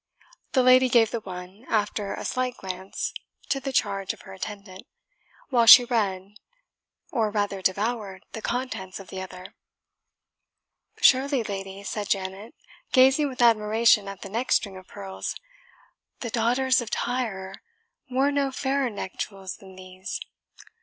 The lady gave the one, after a slight glance, to the charge of her attendant, while she read, or rather devoured, the contents of the other. "Surely, lady," said Janet, gazing with admiration at the neck string of pearls, "the daughters of Tyre wore no fairer neck jewels than these.